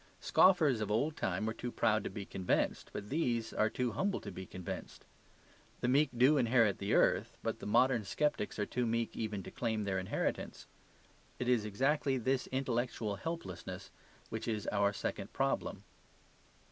Scoffers of old time were too proud to be convinced; but these are too humble to be convinced. The meek do inherit the earth; but the modern sceptics are too meek even to claim their inheritance. It is exactly this intellectual helplessness which is our second problem.